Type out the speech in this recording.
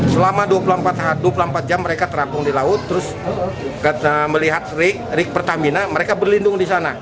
selama dua puluh empat jam mereka terapung di laut terus melihat rig pertamina mereka berlindung di sana